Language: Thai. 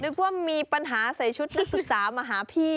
นึกว่ามีปัญหาใส่ชุดนักศึกษามาหาพี่